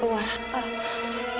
kamu boleh keluar